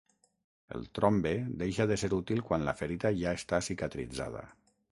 El trombe deixa de ser útil quan la ferida ja està cicatritzada.